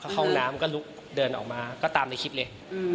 เข้าห้องน้ำก็ลุกเดินออกมาก็ตามในคลิปเลย